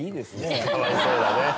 かわいそうだね。